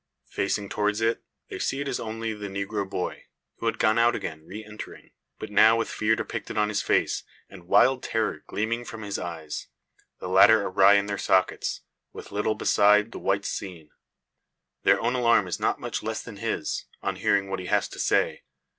Facing towards it, they see it is only the negro boy, who had gone out again, re entering. But now with fear depicted on his face, and wild terror gleaming from his eyes; the latter awry in their sockets, with little beside the whites seen! Their own alarm is not much less than his, on hearing what he has to say.